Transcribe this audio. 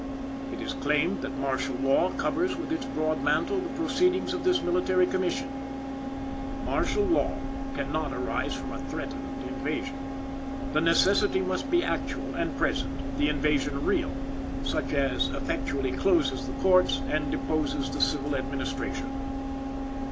"It is claimed that martial law covers with its broad mantle the proceedings of this Military Commission." "Martial law cannot arise from a threatened invasion. The necessity must be actual and present; the invasion real, such as effectually closes the courts and deposes the civil administration."